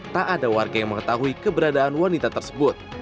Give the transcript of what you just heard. tak ada warga yang mengetahui keberadaan wanita tersebut